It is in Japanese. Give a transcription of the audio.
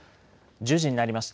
１０時になりました。